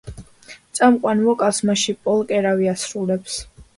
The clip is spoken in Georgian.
წამყვან ვოკალს მასში პოლ კერაკი ასრულებს.